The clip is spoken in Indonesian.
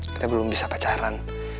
kita belum bisa pacaran